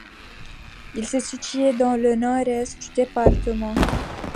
Il se situait dans le nord-est du département.